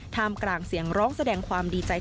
มกลางเสียงร้องแสดงความดีใจ